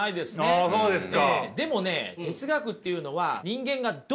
ほうそうですか。